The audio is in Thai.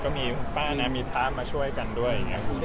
ก็มีป้านี้มีตาคมาช่วยกันด้วย